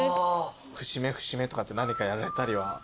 節目節目とかって何かやられたりは。